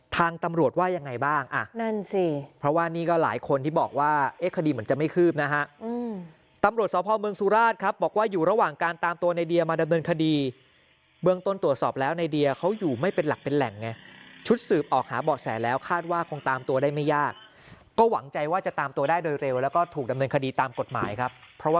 ก็มีอีกหลายคนที่เค้ากินไม่ได้นอนไม่หลับแล้วหวาดพวายอยู่ตอนนี้ครับ